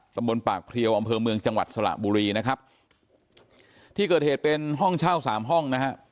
ตำบลปากเพลียวอำเภอเมืองจังหวัดสระบุรีนะครับที่เกิดเหตุเป็นห้องเช่าสามห้องนะฮะ